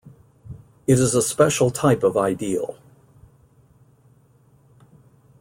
It is a special type of ideal.